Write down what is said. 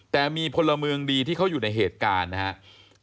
แต่มีพลเมืองดีที่เขาอยู่ในเหตุการณ์นะครับ